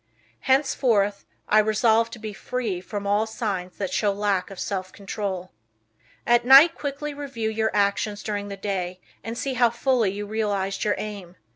Henceforth I resolve to be free from all signs that show lack of self control." At night quickly review your actions during the day and see how fully you realized your aim.